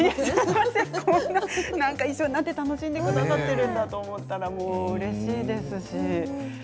一緒になって楽しんでくださっているんだと思ったらうれしいです。